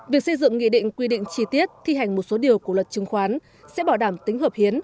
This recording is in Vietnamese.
việc xây dựng nghị định quy định chi tiết thi hành một số điều của luật chứng khoán sẽ bảo đảm tính hợp hiến